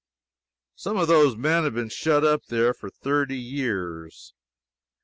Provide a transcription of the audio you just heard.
Some of those men have been shut up there for thirty years.